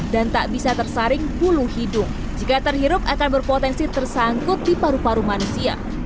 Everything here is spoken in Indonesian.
dan tak bisa tersaring bulu hidung jika terhirup akan berpotensi tersangkut di paru paru manusia